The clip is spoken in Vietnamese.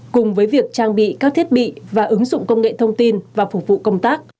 cùng với việc trang bị các thiết bị và ứng dụng công nghệ thông tin và phục vụ công tác